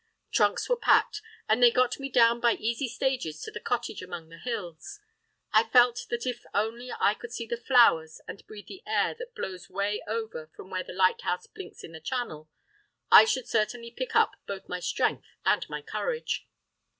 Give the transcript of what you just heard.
Trunks were packed, and they got me down by easy stages to the cottage among the hills. I felt that if only I could see the flowers and breathe the air that blows way over from where the lighthouse blinks in the channel, I should certainly pick up both my strength and my courage.